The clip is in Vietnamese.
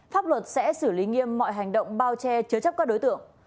pháp luật sẽ xử lý nghiêm mọi hành động bao che chứa chấp các đối tượng